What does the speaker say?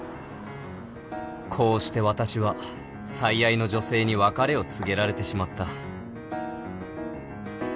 こうして私は最愛の女性に別れを告げられてしまった